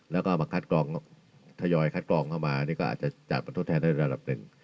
แล้วก็เอามาคัดกรองทยอยคัดกรองเข้ามานี่ก็อาจจะจัดประทดแทนได้ระดับหนึ่ง